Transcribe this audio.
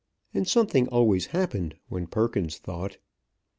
And something always happened when Perkins thought.